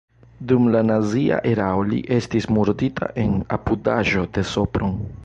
Dum la nazia erao li estis murdita en apudaĵo de Sopron.